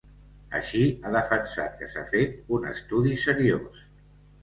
Així, ha defensat que s’ha fet un estudi “seriós”.